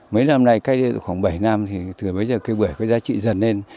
mấy năm nay cách đây khoảng bảy năm thì từ bây giờ cây bưởi có giá trị dần lên